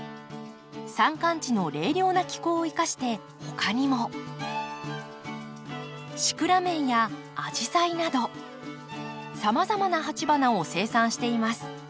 山間地の冷涼な気候を生かして他にもシクラメンやアジサイなどさまざまな鉢花を生産しています。